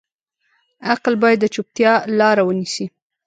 عقل باید د چوپتیا لاره ونیسي.